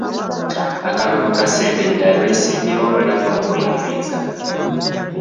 Akalulu kasembedde abeesimbyewo balina okwenyweza.